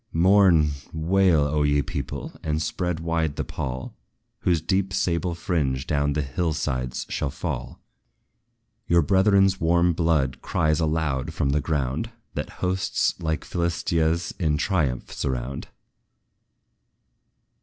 Mourn, wail, O ye people! and spread wide the pall, Whose deep sable fringe down the hill sides shall fall! Your brethren's warm blood cries aloud from the ground, That hosts, like Philistia's, in triumph surround.